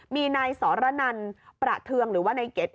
มีในสรนันดิ์ประเทืองหรือว่าในเกษตร